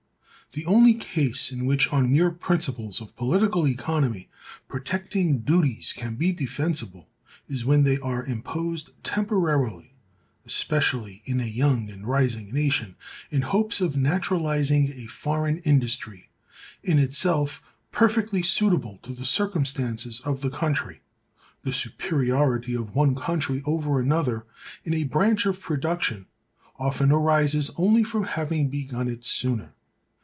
The only case in which, on mere principles of political economy, protecting duties can be defensible, is when they are imposed temporarily (especially in a young and rising nation) in hopes of naturalizing a foreign industry, in itself perfectly suitable to the circumstances of the country. The superiority of one country over another in a branch of production often arises only from having begun it sooner.